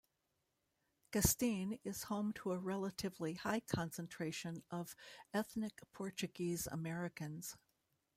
Gustine is home to a relatively high concentration of ethnic Portuguese-Americans.